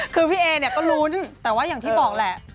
คือพี่เอเนี่ยก็ลุ้นแต่ว่าอย่างที่บอกแหละ